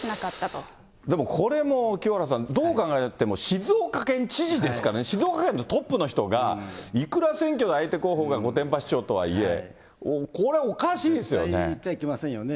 これも清原さん、どう考えても静岡県知事ですからね、静岡県のトップの人がいくら選挙の相手候補が御殿場市長とはいえ、いけませんよね。